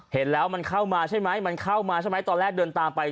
เห็นแล้วมันเข้ามาใช่ไหมมันเข้ามาใช่ไหมตอนแรกเดินตามไป